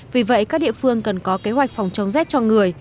vì vậy các địa phương cần có kế hoạch phòng chống rét cho người